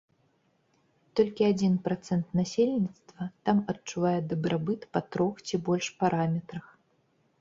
Толькі адзін працэнт насельніцтва там адчувае дабрабыт па трох ці больш параметрах.